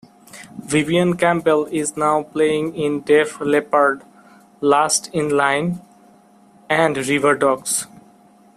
Vivian Campbell is now playing in Def Leppard, Last in Line, and Riverdogs.